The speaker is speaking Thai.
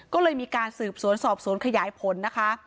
ก็เลยมีการสืบสวนสอบสวนขยายผลนะคะ